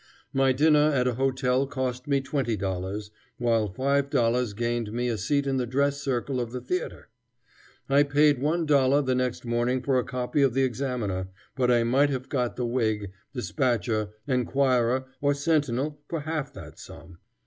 My dinner at a hotel cost me twenty dollars, while five dollars gained me a seat in the dress circle of the theatre. I paid one dollar the next morning for a copy of the Examiner, but I might have got the Whig, Dispatch, Enquirer, or Sentinel, for half that sum.